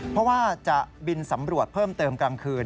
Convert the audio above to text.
เพราะว่าจะบินสำรวจเพิ่มเติมกลางคืน